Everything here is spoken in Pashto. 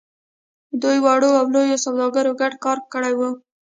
دوی وړو او لويو سوداګرو ګډ کار کړی و.